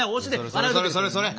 それそれそれそれ！